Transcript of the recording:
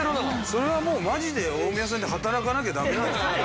それはもうマジで大宮さんで働かなきゃダメなんじゃない？